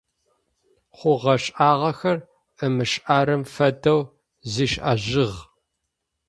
Хъугъэ-шӀагъэхэр ымышӀэрэм фэдэу зишӀыжьыгъ.